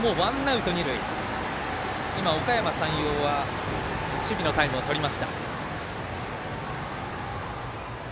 今、おかやま山陽は守備のタイムをとりました。